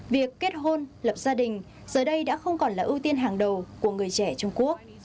việc kết hôn lập gia đình giờ đây đã không còn là ưu tiên hàng đầu của người trẻ trung quốc